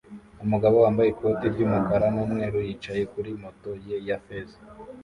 Umugabo wambaye ikoti ry'umukara n'umweru yicaye kuri moto ye ya feza